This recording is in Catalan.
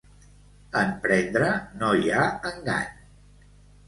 En prendre no hi ha engany.